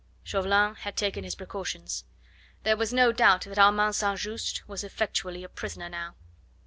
Chauvelin had taken his precautions. There was no doubt that Armand St. Just was effectually a prisoner now.